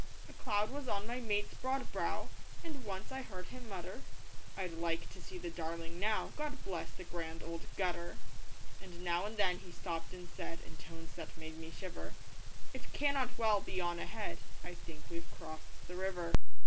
A cloud was on my mate's broad brow, And once I heard him mutter: 'I'd like to see the Darling now, 'God bless the Grand Old Gutter!' And now and then he stopped and said In tones that made me shiver 'It cannot well be on ahead, '_I think we've crossed the river.